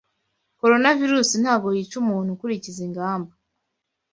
Coronavirus ntago yica umuntu ukurikiza ingamba